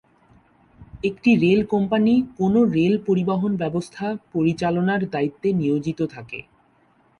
একটি rail company কোনও rail পরিবহন ব্যবস্থা পরিচালনার দায়িত্বে নিয়োজিত থাকে।